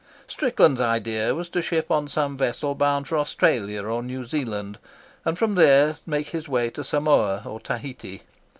Strickland's idea was to ship on some vessel bound for Australia or New Zealand, and from there make his way to Samoa or Tahiti.